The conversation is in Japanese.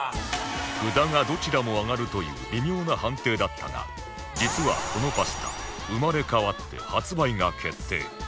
札がどちらも上がるという微妙な判定だったが実はこのパスタ生まれ変わって発売が決定